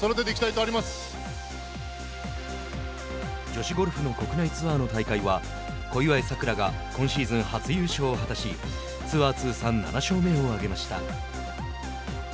女子ゴルフの国内ツアーの大会は小祝さくらが今シーズン初優勝を果たしツアー通算７勝目を挙げました。